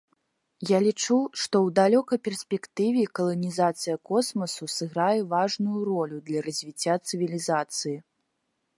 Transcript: Я лічу, што ў далёкай перспектыве каланізацыя космасу сыграе важную ролю для развіцця цывілізацыі.